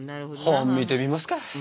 本見てみますか。